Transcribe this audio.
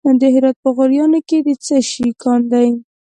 د هرات په غوریان کې د څه شي کان دی؟